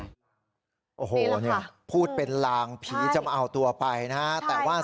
นี่แหละค่ะพูดเป็นลางผีจะมาเอาตัวไปนะฮะแต่ว่าใช่ค่ะ